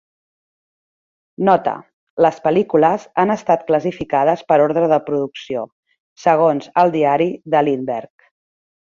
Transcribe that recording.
Nota: les pel·lícules han estat classificades per ordre de producció, segons el diari de Lindberg.